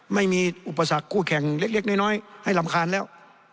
ไม่มีอุปสรรคคู่แข่งเล็กน้อยให้รำคาญแล้ว